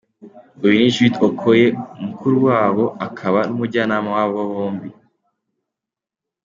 Uyu ni Jude Okoye, mukuru wabo akaba n’umujyanama wabo bombi.